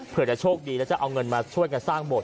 เพื่อจะโชคดีแล้วจะเอาเงินมาช่วยกันสร้างบท